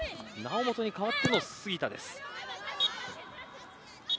猶本に代わっての杉田です。